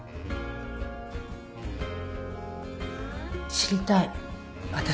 知りたい私。